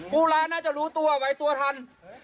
พูราคแน่นายจะรู้ตัวไว้ตัวทัน